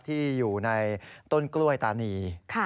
ที่อยู่ในต้นกล้วยตานี